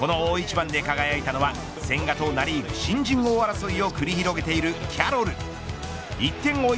この大一番で輝いたのは千賀とナ・リーグ新人王争いを繰り広げているキャロル。